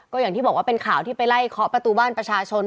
ก็อย่างที่บอกว่าเป็นข่าวที่ไปไล่เคาะประตูบ้านประชาชน